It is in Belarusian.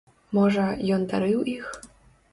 Можа, ён дарыў іх?